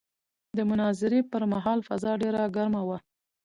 د مناظرې پر مهال فضا ډېره ګرمه وه.